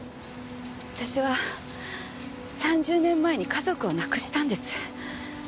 私は３０年前に家族をなくしたんです。